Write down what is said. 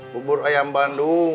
bubur ayam bandung